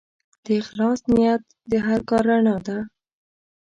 د اخلاص نیت د هر کار رڼا ده.